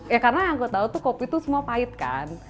ya karena yang gue tahu tuh kopi itu semua pahit kan